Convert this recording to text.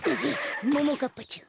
ももかっぱちゃん